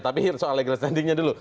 tapi soal legal standingnya dulu